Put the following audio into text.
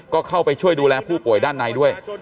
ก็เข้าไปช่วยดูแลผู้ป่วยด้านในด้วย